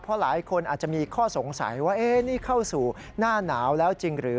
เพราะหลายคนอาจจะมีข้อสงสัยว่านี่เข้าสู่หน้าหนาวแล้วจริงหรือ